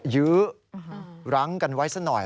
ยื้อรั้งกันไว้ซะหน่อย